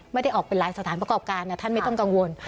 ไม่ได้ออกเป็นหลายสถานประกอบการท่านไม่ต้องกังวล